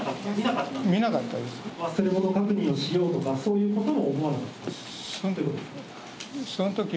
忘れ物を確認しようとか、そういうことも思わなかったんですか？